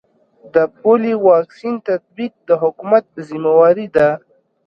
د پولیو واکسین تطبیق د حکومت ذمه واري ده